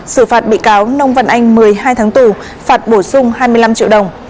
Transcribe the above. xử phạt bị cáo nông văn anh một mươi hai tháng tù phạt bổ sung hai mươi năm triệu đồng